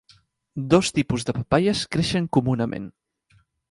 Dos tipus de papaies creixen comunament.